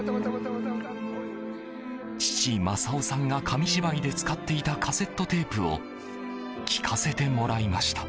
父・正雄さんが紙芝居で使っていたカセットテープを聞かせてもらいました。